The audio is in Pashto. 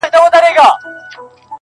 او خلک پرې کښنځل تعصب دی